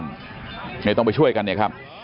นี่ต้องไปช่วยกันเนี่ยครับ